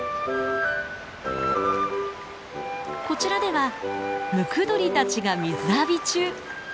こちらではムクドリたちが水浴び中。